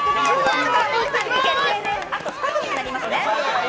あと２組になりますね。